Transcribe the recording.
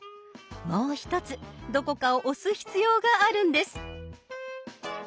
もう一つどこかを押す必要があるんです。